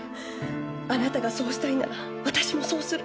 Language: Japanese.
あなたがそうしたいなら私もそうする。